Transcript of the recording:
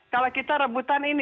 kalau kita rebutan ini